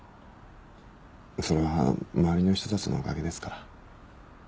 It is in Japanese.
それは周りの人たちのおかげですから。